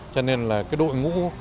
cho nên là đội ngũ